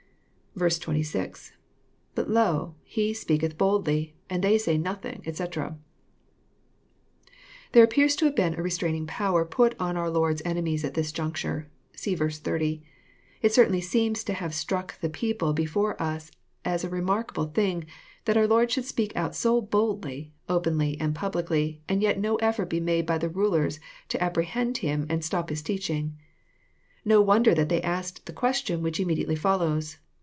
26. — IBut, lOt he tpeaketh boldly, and they say nothing, etc,"] There appears to have been a restraining power put on our Lord's enemies at this juncture. (S«e verse 30.) It certainly seems to have struck the people before us as a remarkable thing, that OUT Lord should speak out so boldly, openly, and publicly, and yet no effort be made by "the rulers to'Spprehend Him and stop His teaching. No wonder that they asked the question which immediately follows.